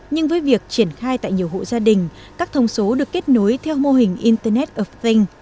nhưng với việc triển khai tại nhiều hộ gia đình các thông số được kết nối theo mô hình internet ofing